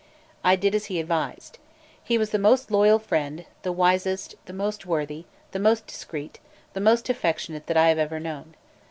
I did as he advised. He was the most loyal friend, the wisest, the most worthy, the most discreet, the most affectionate that I have ever known.